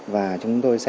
và chúng tôi sẽ